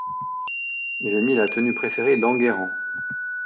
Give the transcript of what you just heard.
J’ai mis la tenue préférée d’Enguerrand.